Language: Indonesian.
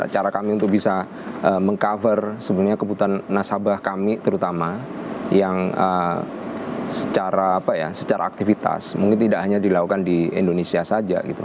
cara kami untuk bisa meng cover sebenarnya kebutuhan nasabah kami terutama yang secara aktivitas mungkin tidak hanya dilakukan di indonesia saja gitu